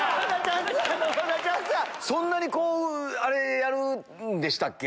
そんなにこうやるんでしたっけ？